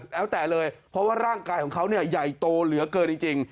แล้วแต่เลยเพราะว่าร่างกายของเขาเนี่ยใหญ่โตเหลือเกินจริง